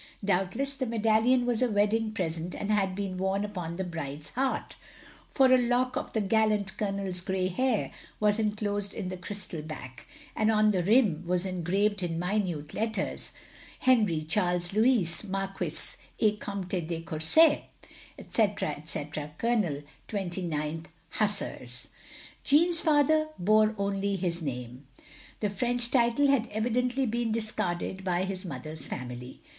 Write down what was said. Doubtless the medallion was a wedding present and had been worn upon the bride's heart; for a lock of the gallant Colonel's grey hair was enclosed in the crystal back, and on the rim was engraved in minute letters, "Henri Charles Loxiis, Marquis et Comte de Courset, etc, etc., Col. 29th Hussars." Jeanne's father's bore only his name. The French title had evidently been discarded by his mother's family.